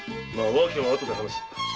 訳はあとから話す。